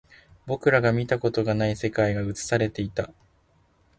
僕らが見たことがない世界が映されていた